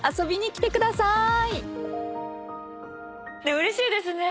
うれしいですね。